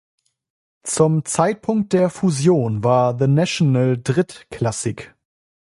Zum Zeitpunkt der Fusion war The National drittklassig.